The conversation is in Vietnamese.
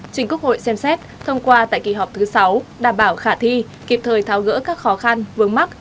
trình quốc hội xem xét thông qua tại kỳ họp thứ sáu đảm bảo khả thi kịp thời tháo gỡ các khó khăn vướng mắt